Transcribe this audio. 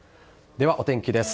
では、お天気です。